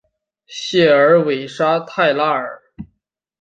谢尔韦沙泰拉尔。